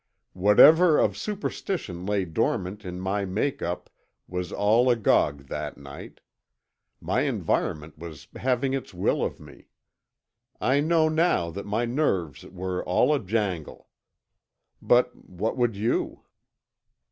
Whatever of superstition lay dormant in my make up was all agog that night; my environment was having its will of me. I know now that my nerves were all a jangle. But what would you?